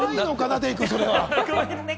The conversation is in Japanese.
デイくん、それは。